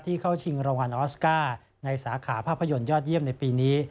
เข้าชิงรางวัลออสการ์ในสาขาภาพยนตร์ยอดเยี่ยมในปีนี้